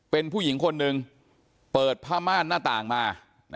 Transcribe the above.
เป็นผู้หญิงคนหนึ่งเปิดผ้าม่านหน้าต่างมา